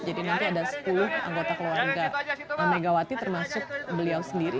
jadi nanti ada sepuluh anggota keluarga megawati termasuk beliau sendiri